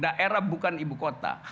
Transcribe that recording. daerah bukan ibukota